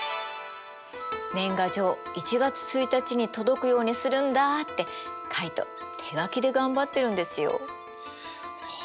年賀状１月１日に届くようにするんだってカイト手書きで頑張ってるんですよ。